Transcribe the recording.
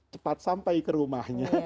cepat sampai ke rumahnya